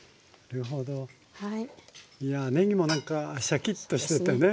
いやねぎもなんかシャキッとしててね。